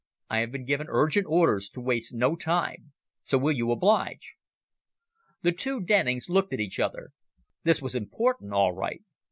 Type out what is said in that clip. I have been given urgent orders to waste no time. So will you oblige?" The two Dennings looked at each other. This was important, all right.